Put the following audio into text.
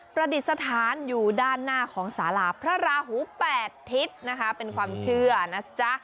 ประดิษฐานอยู่ด้านหน้าของสาราพระราหู๘ทิศนะคะเป็นความเชื่อนะจ๊ะ